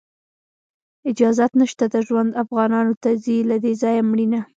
اجازت نشته د ژوند، افغانانو ته ځي له دې ځایه مړینه